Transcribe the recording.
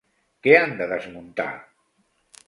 Què han de desmuntar?